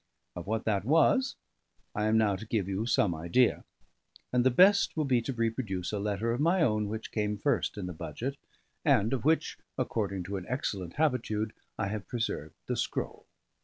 Of what that was, I am now to give you some idea; and the best will be to reproduce a letter of my own which came first in the budget, and of which (according to an excellent habitude) I have preserved the scroll.